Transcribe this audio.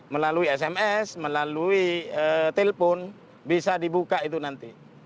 melalui sms melalui telepon bisa dibuka itu nanti